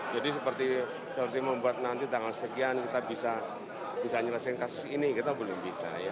jadi seperti membuat nanti tanggal sekian kita bisa nyelesaikan kasus ini kita belum bisa